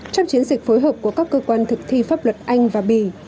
trong chiến dịch phối hợp của các cơ quan thực thi pháp luật anh và bỉ